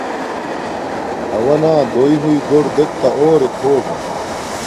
اوݳ نݳ دݸئی ہݸئی گݸر دݵکھتݳ اݸرݵک ہݸگݳ.